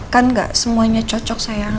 kan gak semuanya cocok sayang